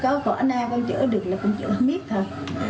có khỏi nào con chữa được là con chữa không biết thôi